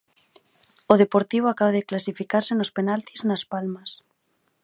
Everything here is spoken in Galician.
O Deportivo acaba de clasificarse nos penaltis nas Palmas.